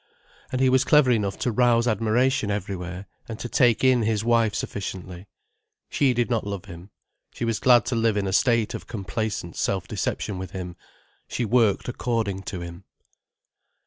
And he was clever enough to rouse admiration everywhere, and to take in his wife sufficiently. She did not love him. She was glad to live in a state of complacent self deception with him, she worked according to him.